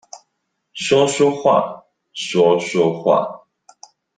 說說話，說說話